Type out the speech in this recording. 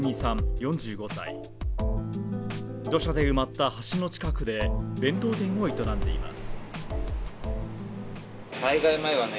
４５歳土砂で埋まった橋の近くで弁当店を営んでいます